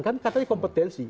kan katanya kompetensi